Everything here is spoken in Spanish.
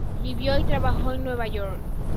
Vivió y trabajó en Nueva York.